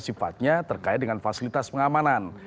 sifatnya terkait dengan fasilitas pengamanan